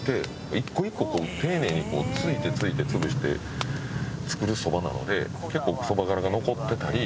一個一個丁寧についてついて潰して作るそばなので結構そば殻が残ってたり。